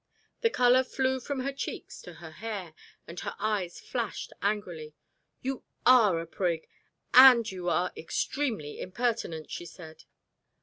The colour flew from her cheeks to her hair, and her eyes flashed angrily. "You are a prig, and you are extremely impertinent," she said.